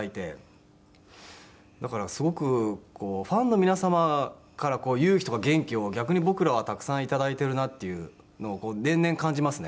だからすごくこうファンの皆様から勇気とか元気を逆に僕らはたくさんいただいてるなっていうのを年々感じますね。